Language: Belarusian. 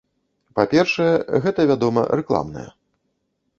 Па-першае, гэта, вядома, рэкламная.